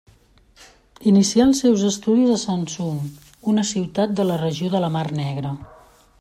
Inicià els seus estudis a Samsun, una ciutat de la Regió de la Mar Negra.